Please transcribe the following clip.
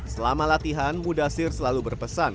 selama latihan mudasir selalu berpesan